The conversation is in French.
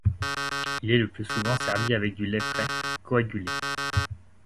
Il est le plus souvent servie avec du lait frais coagulé.